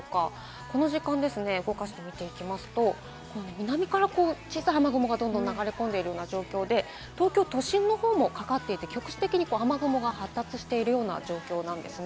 この時間、動かしますと、南から小さい雨雲がどんどん流れ込んでいる状況で、東京都心の方もかかっていて局地的に雨雲が発達しているような状況です。